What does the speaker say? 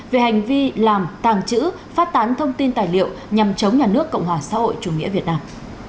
về hành vi làm tàng trữ phát tán thông tin tài liệu nhằm chống nhà nước cộng hòa xã hội chủ nghĩa việt nam